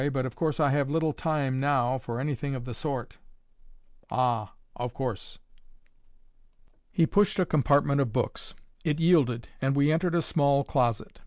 But of course I have little time now for anything of the sort." "Ah! of course." He pushed a compartment of books. It yielded, and we entered a small closet.